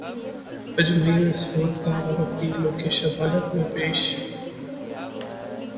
अजमेर विस्फोट का आरोपी लोकेश अदालत में पेश